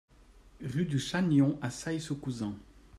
Rue du Chagnon à Sail-sous-Couzan